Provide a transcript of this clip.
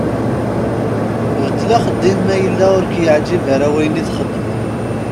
Beddel axeddim ma yella ur ak-yeɛǧib ara wayen i txeddmeḍ.